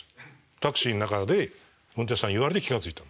タクシーの中で運転手さんに言われて気が付いたんです。